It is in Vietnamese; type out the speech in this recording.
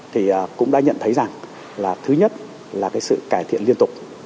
thì cũng đã nhận thấy rằng là thứ nhất là cái sự cải thiện liên tục